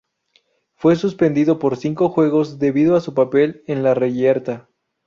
Fue suspendido por cinco juegos debido a su papel en la reyerta.